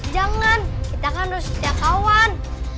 jangan kita kan harus setia kawan